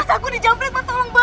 masa aku dijamret ma tolong ma